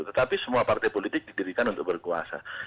tetapi semua partai politik didirikan untuk berkuasa